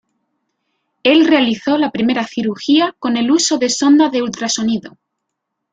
Él realizó la primera cirugía con el uso de sonda de ultrasonido.